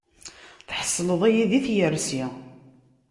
Tḥesleḍ-iyi di tgersi.